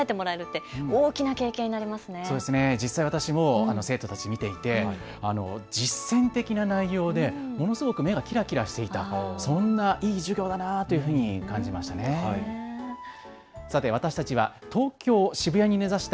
私も実際に生徒たちを見ていて実践的な内容でものすごく目がきらきらしていた、そんないい授業だなと感じました。